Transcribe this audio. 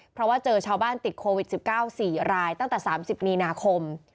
เพราะว่าเจอชาวบ้านติดโควิดสิบเก้าสี่รายตั้งแต่สามสิบนี่นาคม